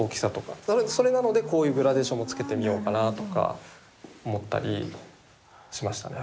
それなのでこういうグラデーションもつけてみようかなとか思ったりしましたね。